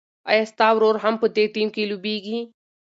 ایا ستا ورور هم په دې ټیم کې لوبېږي؟